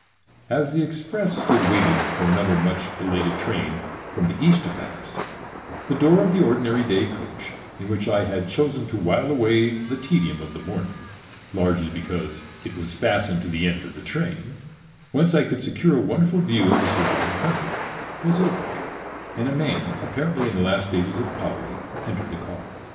As the express stood waiting for another much belated train from the East to pass, the door of the ordinary day coach in which I had chosen to while away the tedium of the morning, largely because it was fastened to the end of the train, whence I could secure a wonderful view of the surrounding country was opened, and a man apparently in the last stages of poverty entered the car.